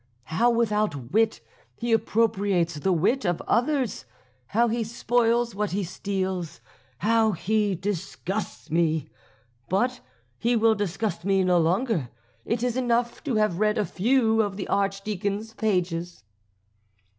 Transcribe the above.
How, without wit, he appropriates the wit of others! How he spoils what he steals! How he disgusts me! But he will disgust me no longer it is enough to have read a few of the Archdeacon's pages."